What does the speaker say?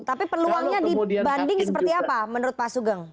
tapi peluangnya dibanding seperti apa menurut pak sugeng